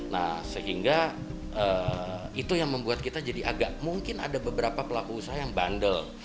nah sehingga itu yang membuat kita jadi agak mungkin ada beberapa pelaku usaha yang bandel